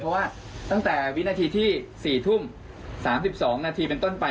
เพราะว่าตั้งแต่วินาทีที่๔ทุ่ม๓๒นาทีเป็นต้นไป